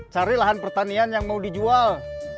cari lahan pertanian yang mau dijual